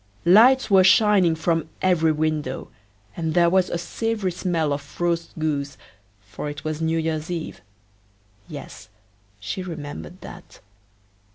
Lights were shining from every window, and there was a savory smell of roast goose, for it was New year's eve yes, she remembered that.